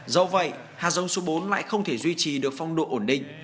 do vậy hà dông số bốn lại không thể duy trì được phong độ ổn định